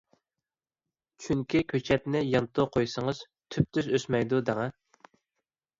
چۈنكى كۆچەتنى يانتۇ قويسىڭىز تۈپتۈز ئۆسمەيدۇ دەڭە.